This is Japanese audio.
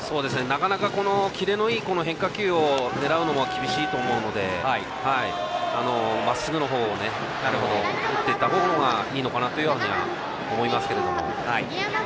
なかなか、キレのいい変化球を狙うのは厳しいと思うのでまっすぐの方を打っていったほうがいいのかなとは思いますけども。